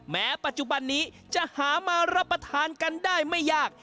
แม้ปัจจุบันนี้จะหามารับประทานกันได้ไม่ยาก